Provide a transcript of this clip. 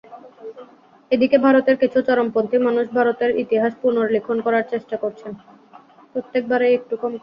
এদিকে ভারতের কিছু চরমপন্থী মানুষ ভারতের ইতিহাস পুনর্লিখন করার চেষ্টা করছেন।